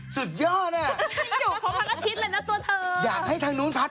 สวัสดีครับ